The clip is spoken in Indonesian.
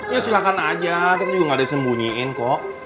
ya silahkan aja kita tuh juga nggak ada sembunyiin kok